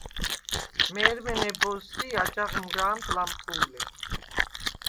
მე̄რმე ნებოზსი̄ აჯაღ მჷრა̄მდ ლამტუ̄ლე.